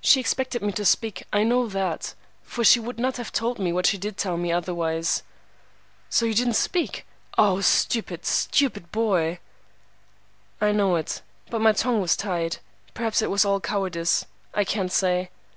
She expected me to speak, I know that, for she would not have told me what she did tell me, otherwise." "So you didn't speak? Oh, stupid, stupid boy!" "I know it. But my tongue was tied. Perhaps it was all cowardice; I can't say.